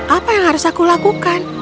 apa yang harus aku lakukan